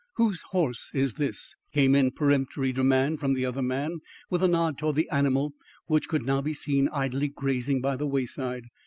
"Whose horse is this?" came in peremptory demand from the other man, with a nod towards the animal which could now be seen idly grazing by the wayside.